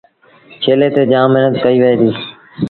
ڇيلي تي جآم مهنت ڪئيٚ وهي دي۔